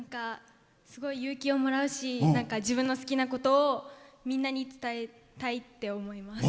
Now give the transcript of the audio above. すごい勇気をもらうし自分の好きなことをみんなに伝えたいって思います。